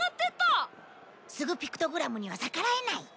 スグピクトグラムには逆らえない。